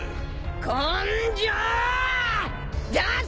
根性！！